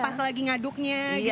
pas lagi ngaduknya gitu